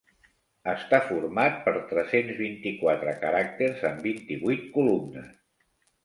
Està format per tres-cents vint-i-quatre caràcters en vint-i-vuit columnes.